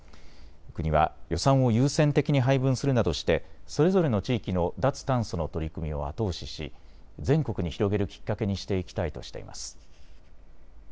国は予算を優先的に配分するなどして、それぞれの地域の脱炭素の取り組みを後押しし全国に広げるきっかけにしていきたいとしています。